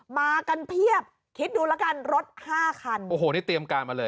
มากันเพียบคิดดูแล้วกันรถห้าคันโอ้โหนี่เตรียมการมาเลย